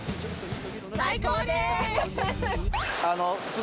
最高でーす。